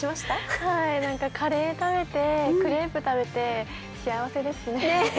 はい、カレー食べてクレープ食べて幸せですね。